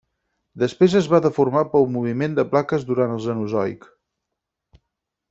Després es va deformar pel moviment de plaques durant el Cenozoic.